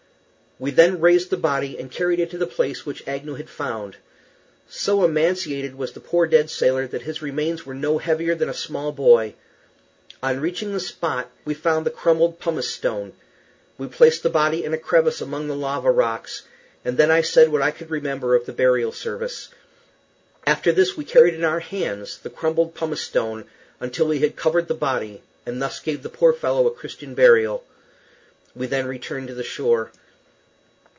We then raised the body and carried it to the place which Agnew had found. So emaciated was the poor dead sailor that his remains were no heavier than a small boy. On reaching the spot, we found the crumbled pumice stone. We placed the body in a crevice among the lava rocks, and then I said what I could remember of the burial service. After this we carried in our hands the crumbled pumice stone until we had covered the body, and thus gave the poor fellow a Christian burial. We then returned to the shore.